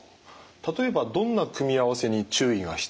例えばどんな組み合わせに注意が必要ですか？